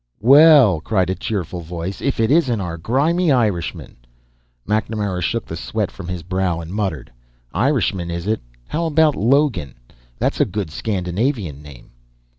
"Well," cried a cheerful voice, "if it isn't our grimy Irishman." MacNamara shook the sweat from his brow and muttered, "Irishman, is it? How about 'Logan'? That's a good Scandinavian name."